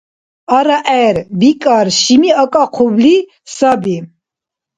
АрагӀер, бикӀар, шими акӀахъубли саби.